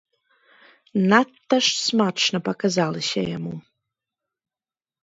Надта ж смачна паказалася яму.